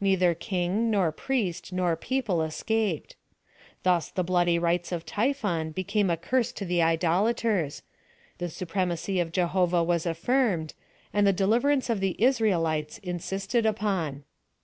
Neither king, nor priest, nor people, escaped. Thus the bloody rites of Typhon became a curse to the idolaters —the su premacy of Jehovah was affirmed ; and the deliver ance of the Israelites insisted upon.